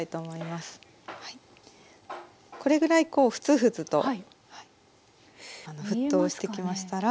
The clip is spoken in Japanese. これぐらいこうフツフツと沸騰してきましたら。